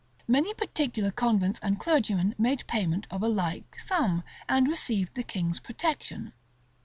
[*] Many particular convents and clergymen made payment of a like sum, and received the king's protection.